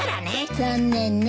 残念ね。